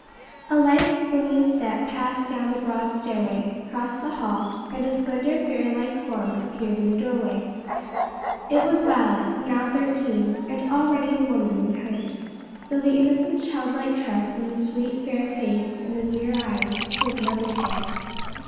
A light, springing step passed down the broad stairway, crossed the hall, and a slender fairy like form appeared in the doorway. It was Violet, now thirteen, and already a woman in height; though the innocent childlike trust in the sweet fair face and azure eyes, told another tale.